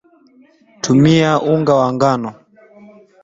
Tumia nga wa ngano